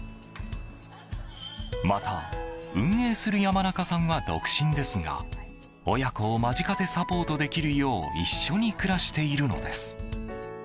また、運営する山中さんは独身ですが親子を間近でサポートできるよう一緒に暮らしているのです。